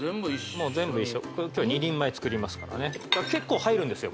もう全部一緒２人前作りますからね結構入るんですよ